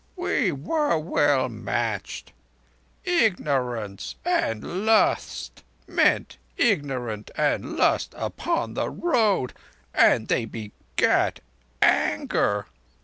"We were well matched. Ignorance and Lust met Ignorance and Lust upon the road, and they begat Anger.